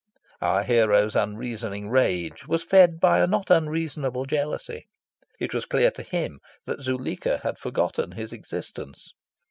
Our hero's unreasoning rage was fed by a not unreasonable jealousy. It was clear to him that Zuleika had forgotten his existence.